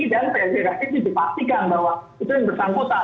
dan verifikasi itu dipastikan bahwa itu yang bersangkutan